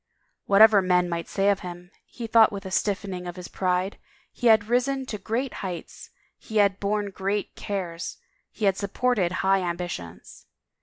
Whatever men might say of him, he thought with a stiffening of his pride, he had risen to great heights, he had borne great cares, he had supported high ambitions.